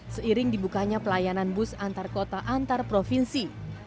seiring dibukanya pelayanan bus antar kota antar provinsi